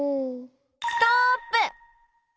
ストップ！